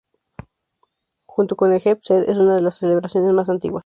Junto con el Heb Sed es una de las celebraciones más antiguas.